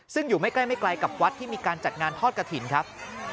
ซึ่งอยู่ไม่ใกล้ไม่ไกลกับวัดที่มีการจัดงานทอดกระถิ่นครับ